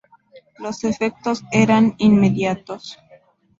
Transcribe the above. Los efectos eran inmediatos.